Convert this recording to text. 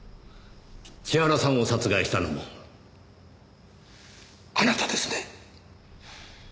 千原さんを殺害したのもあなたですね？